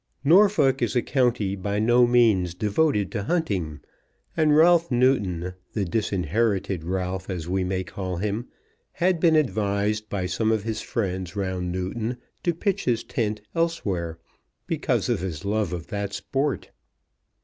Norfolk is a county by no means devoted to hunting, and Ralph Newton, the disinherited Ralph as we may call him, had been advised by some of his friends round Newton to pitch his tent elsewhere, because of his love of that sport.